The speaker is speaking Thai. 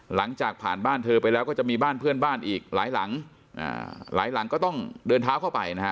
หลังจากผ่านบ้านเธอไปแล้วก็จะมีบ้านเพื่อนบ้านอีกหลายหลังหลายหลังก็ต้องเดินเท้าเข้าไปนะฮะ